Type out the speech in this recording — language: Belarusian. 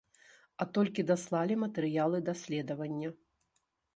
А толькі даслалі матэрыялы даследавання.